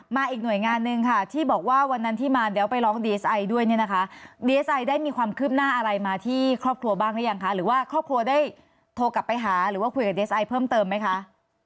อีกหน่วยงานหนึ่งค่ะที่บอกว่าวันนั้นที่มาเดี๋ยวไปร้องดีเอสไอด้วยเนี่ยนะคะดีเอสไอได้มีความคืบหน้าอะไรมาที่ครอบครัวบ้างหรือยังคะหรือว่าครอบครัวได้โทรกลับไปหาหรือว่าคุยกับดีเอสไอเพิ่มเติมไหมคะ